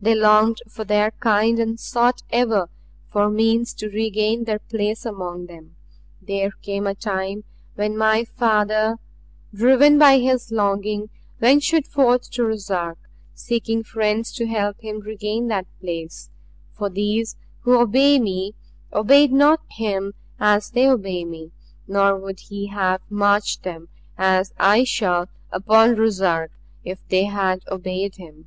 They longed for their kind and sought ever for means to regain their place among them. There came a time when my father, driven by his longing, ventured forth to Ruszark, seeking friends to help him regain that place for these who obey me obeyed not him as they obey me; nor would he have marched them as I shall upon Ruszark if they had obeyed him.